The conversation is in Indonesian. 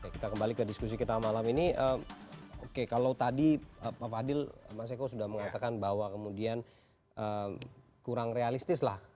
kita kembali ke diskusi kita malam ini oke kalau tadi pak fadil mas eko sudah mengatakan bahwa kemudian kurang realistis lah